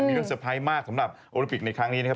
มีเรื่องเตอร์ไพรส์มากสำหรับโอลิปิกในครั้งนี้นะครับ